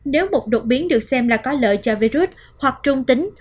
nếu một đột biến được xem là có lợi cho virus hoặc trung tính